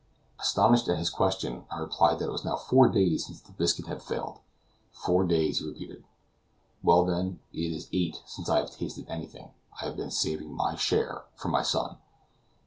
Astonished at his question, I replied that it was now four days since the biscuit had failed. "Four days," he repeated; "well, then, it is eight since I have tasted anything. I have been saving my share for my son."